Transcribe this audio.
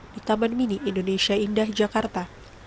di taman mini indonesia indah jakarta